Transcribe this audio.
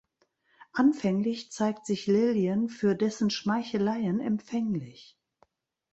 Anfänglich zeigt sich Lilian für dessen Schmeicheleien empfänglich.